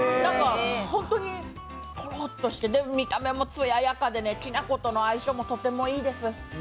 ホントにとろっとして、見た目もつややかで、きな粉との相性もとてもいいです。